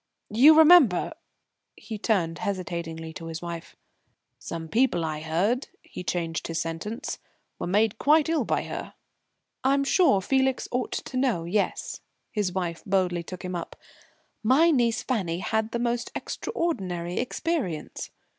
You remember " he turned hesitatingly to his wife "some people, I heard," he changed his sentence, "were made quite ill by her." "I'm sure Felix ought to know, yes," his wife boldly took him up, "my niece, Fanny, had the most extraordinary experience."